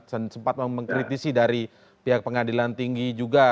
sempat mengkritisi dari pihak pengadilan tinggi juga